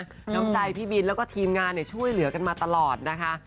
น้ำใจพี่บินแล้วก็ทีมงานช่วยเหลือกันมาตลอดนะคะ